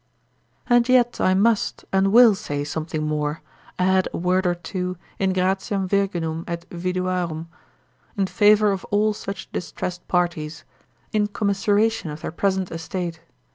And yet I must and will say something more, add a word or two in gratiam virginum et viduarum, in favour of all such distressed parties, in commiseration of their present estate.